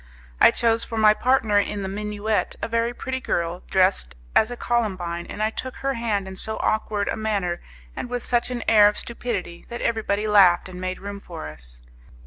I chose for my partner in the minuet a pretty girl dressed as a Columbine, and I took her hand in so awkward a manner and with such an air of stupidity that everybody laughed and made room for us.